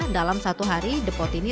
dalam satu hari depot ini